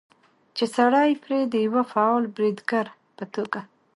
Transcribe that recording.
چې سړى پرې د يوه فعال بريدګر په توګه